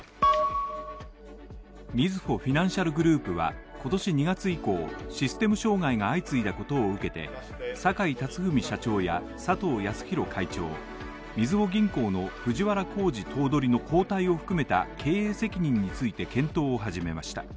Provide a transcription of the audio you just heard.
みずほフィナンシャルグループは今年２月以降、システム障害が相次いだことを受けて坂井辰史社長や佐藤康弘会長、みずほ銀行の藤原弘治頭取の交代を含めた経営責任について検討を始めました。